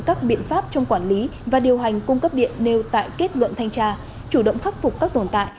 các biện pháp trong quản lý và điều hành cung cấp điện nêu tại kết luận thanh tra chủ động khắc phục các tồn tại